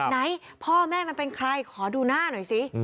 ไหนพ่อแม่มันเป็นใครขอดูหน้าหน่อยสิ